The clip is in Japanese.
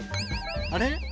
あれ？